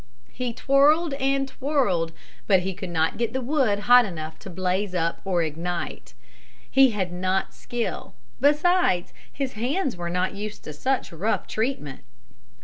He twirled and twirled, but he could not get the wood hot enough to blaze up or ignite. He had not skill. Besides his hands were not used to such rough treatment.